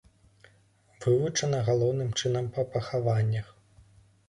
Вывучана галоўным чынам па пахаваннях.